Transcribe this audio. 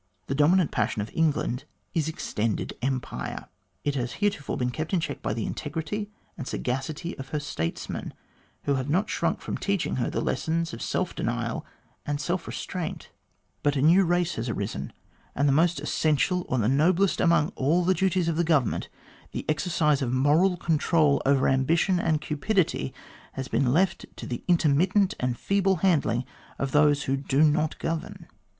The dominant passion of England is extended empire. It has heretofore been kept in check by the integrity and sagacity of her statesmen, who have not shrunk from teaching her the lessons of self denial and self restraint. ME GLADSTONE AND THE COLONIES 253 But a new race has arisen, and the most essential or the noblest among all the duties of government, the exercise of moral control over ambition and cupidity, has been left to the intermittent and feeble handling of those who do not govern.